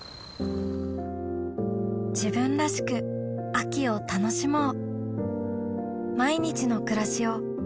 自分らしく秋を楽しもう